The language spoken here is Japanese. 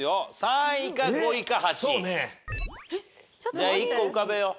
じゃあ１個浮かべよう。